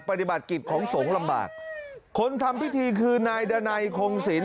ปฏิบัติกิจของสงฆ์ลำบากคนทำพิธีคือนายดานัยคงศิลป